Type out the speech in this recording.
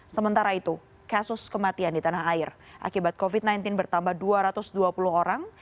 sementara itu kasus kematian di tanah air akibat covid sembilan belas bertambah dua ratus dua puluh orang